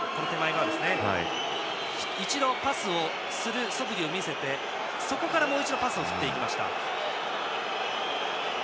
一度パスをするそぶりを見せてそこからもう一度パスを振っていきました。